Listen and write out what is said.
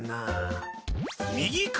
右か？